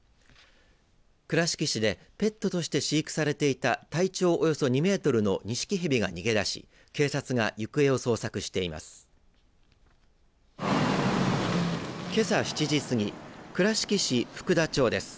倉敷市でペットとして飼育されていた体長およそ２メートルのニシキヘビが逃げ出し警察が行方を捜索しています。